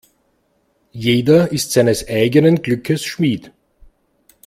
Jeder ist seines eigenen Glückes Schmied.